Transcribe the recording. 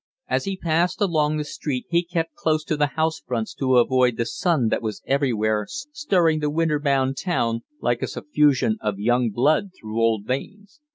As he passed along the street he kept close to the house fronts to avoid the sun that was everywhere stirring the winterbound town, like a suffusion of young blood through old veins.